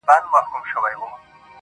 چي به د اور له پاسه اور راځي،